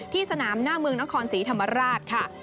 สนามหน้าเมืองนครศรีธรรมราชค่ะ